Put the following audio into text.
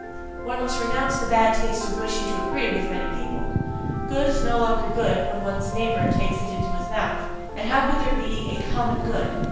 One must renounce the bad taste of wishing to agree with many people. "Good" is no longer good when one's neighbour takes it into his mouth. And how could there be a "common good"!